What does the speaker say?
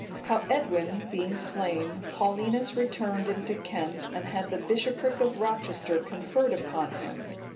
How Edwin being slain, Paulinus returned into Kent, and had the bishopric of Rochester conferred upon him.